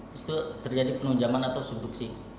yang terjadi penuh jaman atau subduksi